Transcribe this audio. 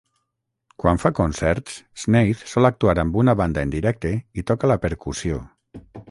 Quan fa concerts, Snaith sol actuar amb una banda en directe i toca la percussió.